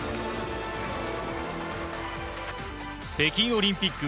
北京オリンピック